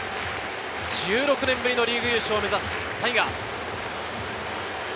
１６年ぶりのリーグ優勝を目指すタイガース。